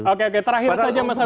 oke terakhir saja mas abeb